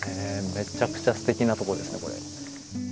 めちゃくちゃすてきなとこですねこれ。